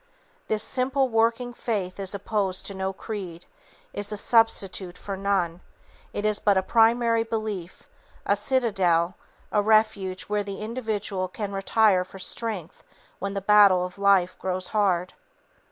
This simple working faith is opposed to no creed, is a substitute for none; it is but a primary belief, a citadel, a refuge where the individual can retire for strength when the battle of life grows hard.